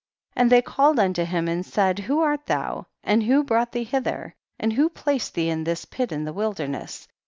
7. And they called unto him and said, who art thou and who_brought thee hither, and who placed thee in this pit, in the wilderness?'